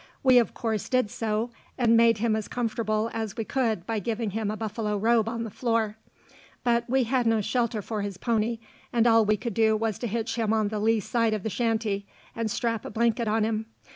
We of course did so, and made him as comfortable as we could by giving him a buffalo robe on the floor. But we had no shelter for his pony, and all we could do was to hitch him on the lee side of the shanty, and strap a blanket on him.